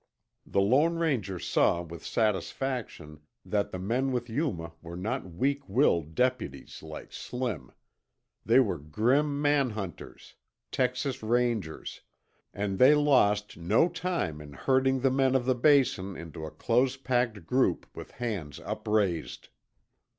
The Lone Ranger saw with satisfaction that the men with Yuma were not weak willed deputies like Slim. They were grim man hunters Texas Rangers and they lost no time in herding the men of the Basin into a close packed group with hands upraised.